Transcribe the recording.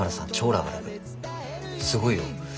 すごいよ。